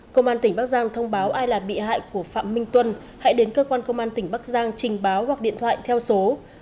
công an tỉnh bắc giang thông báo ai là bị hại của phạm minh tuân hãy đến cơ quan công an tỉnh bắc giang trình báo hoặc điện thoại theo số hai mươi bốn ba tám trăm hai mươi hai năm trăm sáu mươi sáu